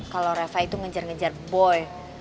kalau reva itu ngejar ngejar boi